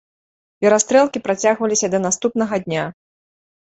Перастрэлкі працягваліся да наступнага дня.